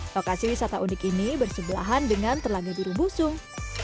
lokasi wisata unik ini bersebelahan dengan telaga biru busung